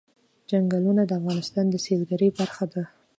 چنګلونه د افغانستان د سیلګرۍ برخه ده.